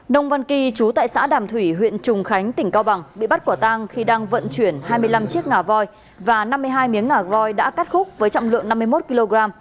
nông văn kỳ chú tại xã đàm thủy huyện trùng khánh tỉnh cao bằng bị bắt quả tang khi đang vận chuyển hai mươi năm chiếc ngà voi và năm mươi hai miếng ngà goi đã cắt khúc với trọng lượng năm mươi một kg